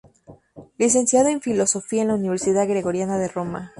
Licenciado en Filosofía en la Universidad Gregoriana de Roma.